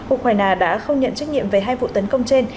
ukraine đã không nhận trách nhiệm về hai vụ tấn công trên